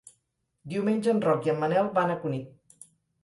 Diumenge en Roc i en Manel van a Cunit.